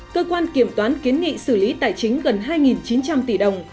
cơ quan kiểm toán kiến nghị xử lý tài chính gần hai chín trăm linh tỷ đồng